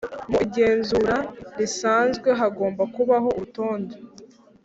Mu igenzura risanzwe hagomba kubaho urutonde